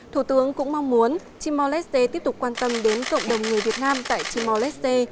thủ tướng cũng mong muốn timor leste tiếp tục quan tâm đến cộng đồng người việt nam tại timor leste